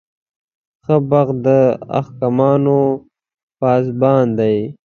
ښه بخت د احمقانو پاسبان دی.